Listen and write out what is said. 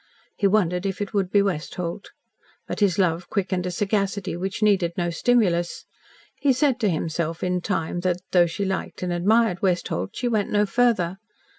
He wondered if it would be Westholt. But his love quickened a sagacity which needed no stimulus. He said to himself in time that, though she liked and admired Westholt, she went no farther.